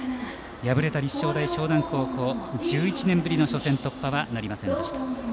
敗れた立正大淞南高校１１年ぶりの初戦突破はなりませんでした。